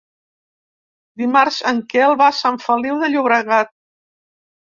Dimarts en Quel va a Sant Feliu de Llobregat.